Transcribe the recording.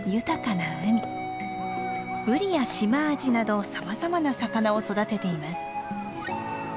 ブリやシマアジなどさまざまな魚を育てています。